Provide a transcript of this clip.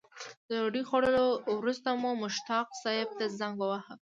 د ډوډۍ خوړلو وروسته مو مشتاق صیب ته زنګ وواهه.